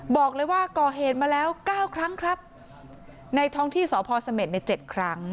บอกเลยว่าก่อเหตุมาแล้วเก้าครั้งครับในท้องที่สพเสม็ดในเจ็ดครั้ง